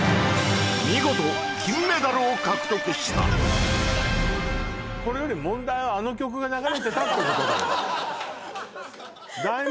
見事金メダルを獲得したそれより問題はあの曲が流れてたってことだよ